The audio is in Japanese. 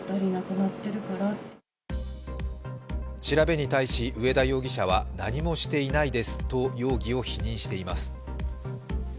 調べに対し上田容疑者は何もしていないですと容疑を否認しています。